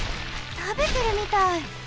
たべてるみたい！